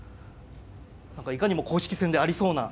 何かいかにも公式戦でありそうな。